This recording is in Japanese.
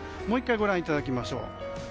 もう１回ご覧いただきましょう。